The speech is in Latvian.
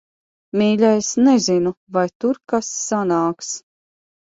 Mīļais, nezinu, vai tur kas sanāks.